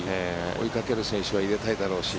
追いかける選手は入れたいだろうし。